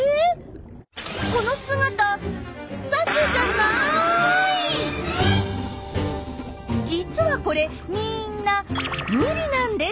この姿実はこれみんなブリなんです。